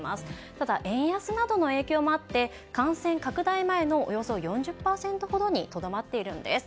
ただ、円安などの影響もあって感染拡大前のおよそ４０％ほどにとどまっているんです。